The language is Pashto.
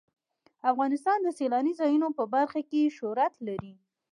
افغانستان د سیلاني ځایونو په برخه کې شهرت لري.